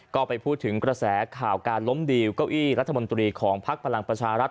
ก็ไปพูดถึงกระแสข่าวการล้มดีลเก้าอี้รัฐมนตรีของพักพลังประชารัฐ